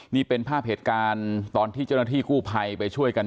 นี่เป็นภาพเหตุการณ์ตอนที่เจ้าหน้าที่กู้ภัยไปช่วยกัน